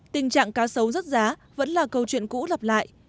tình trạng cá sấu rớt giá vẫn là câu chuyện cũ lặp lại